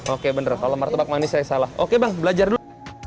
oke bener kalau martabak manis saya salah oke bang belajar dulu